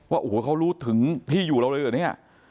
ว่าโอ้โหเขารู้ถึงพี่อยู่เราเลยเหรอเนี่ย